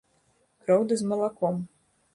Кроў ды з малаком.